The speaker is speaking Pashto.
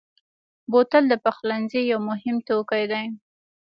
بوتل د پخلنځي یو مهم توکی دی.